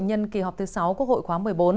nhân kỳ họp thứ sáu quốc hội khóa một mươi bốn